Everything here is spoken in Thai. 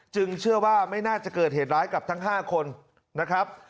เชื่อว่าไม่น่าจะเกิดเหตุร้ายกับทั้ง๕คนนะครับ